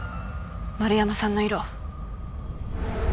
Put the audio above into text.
円山さんの色。